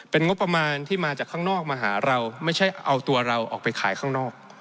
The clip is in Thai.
เป็นงบประมาณที่มาจากข้างนอกมาหาเราไม่ใช่เอาตัวเราออกไปขายข้างนอก